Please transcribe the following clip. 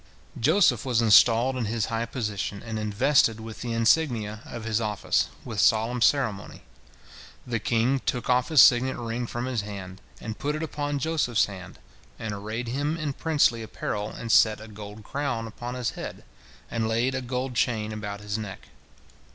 Joseph was installed in his high position, and invested with the insignia of his office, with solemn ceremony. The king took off his signet ring from his hand, and put it upon Joseph's hand, and arrayed him in princely apparel, and set a gold crown upon his head, and laid a gold chain about his neck.